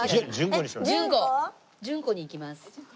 順子に行きます。